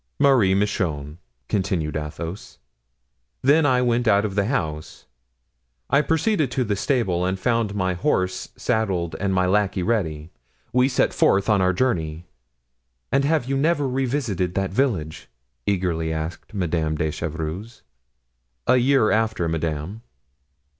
"Marie Michon," continued Athos. "Then I went out of the house; I proceeded to the stable and found my horse saddled and my lackey ready. We set forth on our journey." "And have you never revisited that village?" eagerly asked Madame de Chevreuse. "A year after, madame."